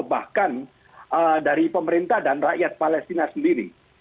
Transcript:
bahkan dari pemerintah dan rakyat palestina sendiri